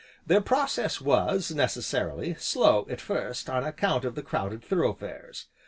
Their process was, necessarily, slow at first, on account of the crowded thoroughfares.